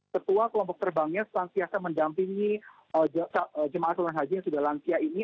ketua kelompok terbangnya selantiasa mendampingi jemaah calon haji yang sudah lansia ini